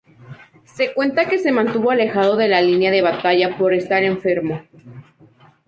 Se cuenta que se mantuvo alejado de la línea de batalla por estar enfermo.